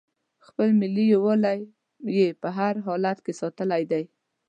خپل ملي یووالی یې په هر حالت کې ساتلی دی.